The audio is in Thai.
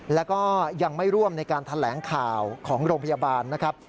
แล้วก็ยังไม่ร่วมในการแถลงข่าวของโรงพยาบาลนะครับ